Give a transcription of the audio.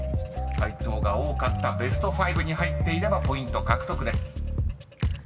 ［回答が多かったベスト５に入っていればポイント獲得です］